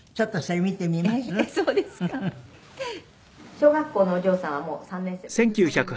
「小学校のお嬢さんはもう３年生ですか？」